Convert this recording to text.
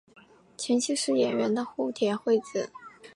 前妻是演员的户田惠子。